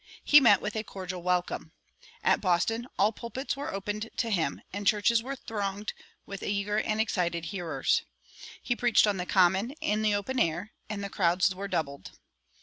He met with a cordial welcome. At Boston all pulpits were opened to him, and churches were thronged with eager and excited hearers.[168:1] He preached on the common in the open air, and the crowds were doubled.